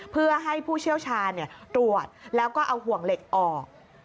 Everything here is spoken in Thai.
เพื่อให้ผู้เชี่ยวชาญตรวจแล้วก็เอาห่วงเหล็กออก